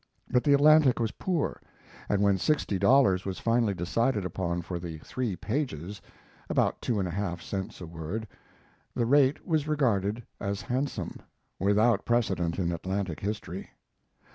But the Atlantic was poor, and when sixty dollars was finally decided upon for the three pages (about two and a half cents a word) the rate was regarded as handsome without precedent in Atlantic history.